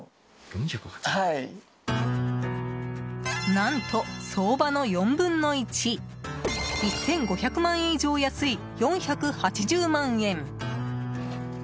何と、相場の４分の１１５００万円以上安い４８０万円！